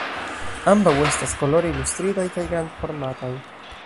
Ambaŭ estas kolore ilustritaj kaj grandformataj.